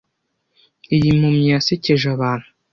iyi mpumyi yasekeje abantu